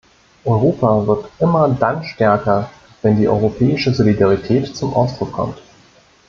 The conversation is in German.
Europa wird immer dann stärker, wenn die europäische Solidarität zum Ausdruck kommt.